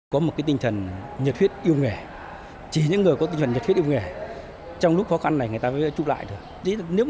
trong kháng chiến những người công nhân ngành đường sắt đã thể hiện bản lĩnh